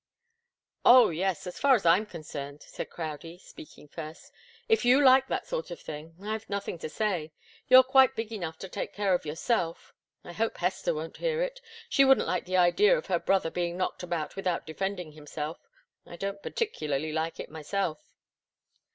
"Oh, yes, as far as I'm concerned," said Crowdie, speaking first. "If you like that sort of thing, I've nothing to say. You're quite big enough to take care of yourself. I hope Hester won't hear it. She wouldn't like the idea of her brother being knocked about without defending himself. I don't particularly like it myself."